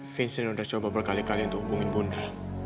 vincent udah coba berkali kali untuk hubungin bunda